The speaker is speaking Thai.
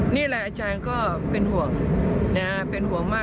นี่แหละอาจารย์ก็เป็นห่วงนะฮะเป็นห่วงมาก